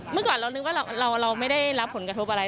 เมื่อก่อนเรานึกว่าเราไม่ได้รับผลกระทบอะไร